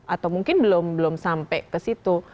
atau mungkin belum sampai ke situ